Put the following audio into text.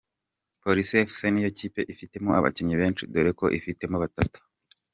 Police Fc ni yo kipe ifitemo abakinnyi benshi dore ko ifitemo batatu.